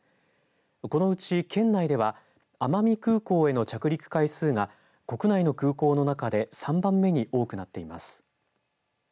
このうち県内では奄美空港への着陸回数が国内の空港の中で３番目に多くなっています。